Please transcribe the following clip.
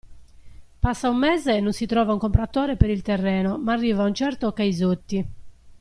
Passa un mese e non si trova un compratore per il terreno ma arriva un certo Caisotti.